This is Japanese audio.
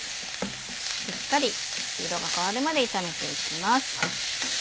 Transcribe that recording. しっかり色が変わるまで炒めていきます。